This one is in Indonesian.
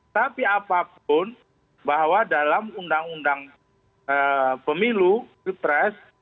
tapi apapun bahwa dalam undang undang pemilu pilpres